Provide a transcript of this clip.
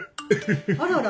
あらあら。